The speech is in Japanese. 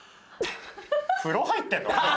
風呂入ってんの？